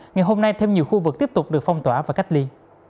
ngày hôm nay thêm nhiều khu vực tiếp tục được phong tỏa và cách ly